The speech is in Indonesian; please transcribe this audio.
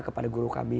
kepada guru kami